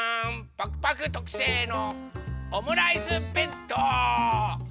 パクパクとくせいのオムライスべんとう！